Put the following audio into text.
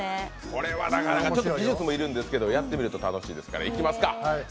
これはなかなか技術も要るんですけど、やってみると楽しいですから。